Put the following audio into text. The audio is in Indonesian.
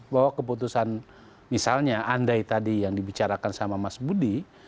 bahwa keputusan misalnya andai tadi yang dibicarakan sama mas budi